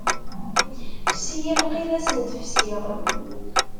Fsi-yi lqid ad sent-fsiɣ.